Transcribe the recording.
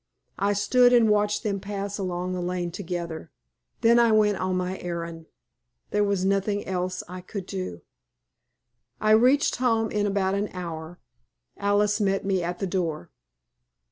I stood and watched them pass along the lane together. Then I went on my errand. There was nothing else I could do. I reached home in about an hour. Alice met me at the door.